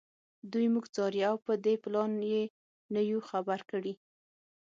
دوی موږ څاري او په دې پلان یې نه یو خبر کړي